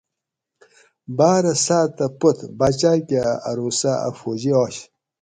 باۤرہ ساۤتہ پت باچاۤ کہ ارو سہ ا فوجی آش